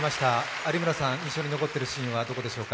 有村さん、印象に残っているシーンはどこでしょうか？